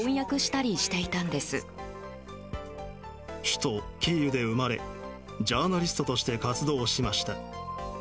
首都キーウで生まれジャーナリストとして活動しました。